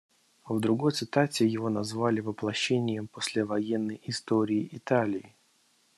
В другой цитате его назвали «воплощением послевоенной истории Италии».